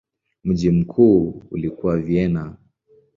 Mji mkuu ulikuwa Vienna.